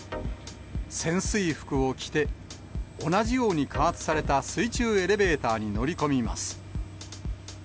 潜水服を着て、同じように加圧された水中エレベーターに乗り込みます。